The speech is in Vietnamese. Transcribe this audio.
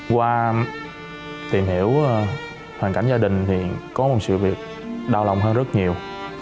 qua tìm hiểu hoàn cảnh gia đình thì có một sự việc đau lòng hơn rất nhiều